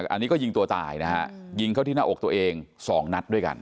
อันนี้ก็ยิงตัวตายนะฮะยิงเข้าที่หน้าอกตัวเอง๒นัดด้วยกัน